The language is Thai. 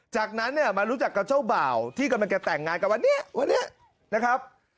จากนั้นเนี่ยมารู้จักกับเจ้าบ่าวที่กำลังจะแต่งงานกับวันนี้วันนี้นะครับ